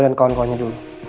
dan kawan kawannya dulu